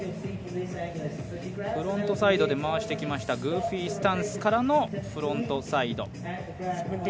フロントサイドで回してきました、グーフィースタンスからのフロントサイド。